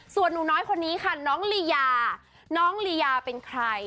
ส่วนหนูน้อยคนนี้ค่ะน้องลียาน้องลียาเป็นใคร